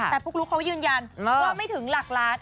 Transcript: แต่พวกรู้เขายืนยันว่าไม่ถึงหลักร้าน